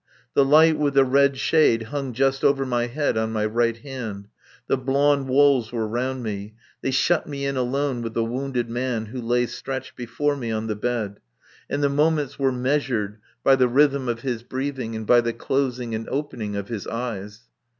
The light with the red shade hung just over my head on my right hand; the blond walls were round me; they shut me in alone with the wounded man who lay stretched before me on the bed. And the moments were measured by the rhythm of his breathing, and by the closing and opening of his eyes.